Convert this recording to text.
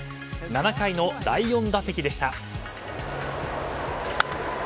７回の第４打席でした。